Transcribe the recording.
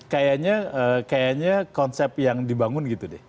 kayaknya konsep yang dibangun gitu deh